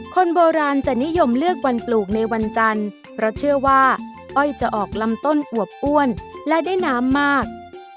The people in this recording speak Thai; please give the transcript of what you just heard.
คนโบราณจะนิยมเลือกวันปลูกในวันจันทร์เพราะเชื่อว่าอ้อยจะออกลำต้นอวบอ้วนและได้น้ำมาก